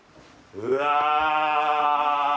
うわ！